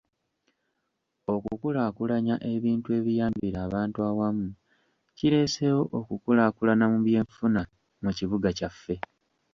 Okukulaakulanya ebintu ebiyambira abantu awamu kireeseewo okukulaakulana mu byenfuna mu kibuga kyaffe.